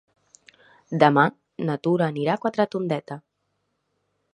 Demà na Tura anirà a Quatretondeta.